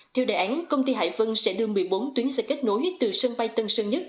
theo đề án công ty hải vân sẽ đưa một mươi bốn tuyến xe kết nối từ sân bay tân sơn nhất